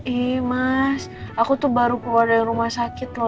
iya mas aku tuh baru keluar dari rumah sakit loh